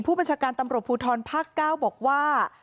ผู้บัญชการตำรวจบทรพุทรภาคเก้าบอกว่า